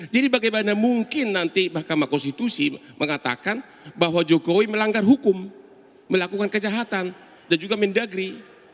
jadi bagaimana mungkin nanti mahkamah konstitusi mengatakan bahwa jokowi melanggar hukum melakukan kejahatan dan juga mendagri